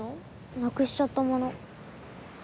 なくしちゃったもの。